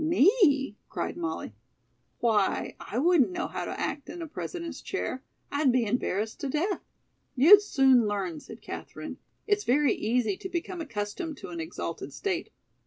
"Me?" cried Molly. "Why, I wouldn't know how to act in a president's chair. I'd be embarrassed to death." "You'd soon learn," said Katherine. "It's very easy to become accustomed to an exalted state."